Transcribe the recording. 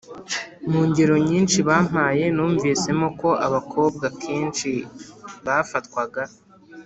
Mu ngero nyinshi bampaye, numvisemo ko abakobwa kenshi bafatwaga